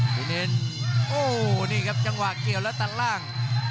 ดินโอ้โหนี่ครับจังหวะเกี่ยวแล้วตัดล่าง